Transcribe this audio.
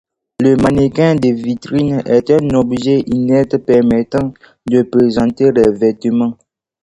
Le mannequin de vitrine est un objet inerte permettant de présenter les vêtements.